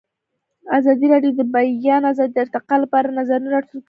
ازادي راډیو د د بیان آزادي د ارتقا لپاره نظرونه راټول کړي.